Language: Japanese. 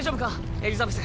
エリザベス。